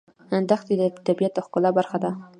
دښتې د طبیعت د ښکلا برخه ده.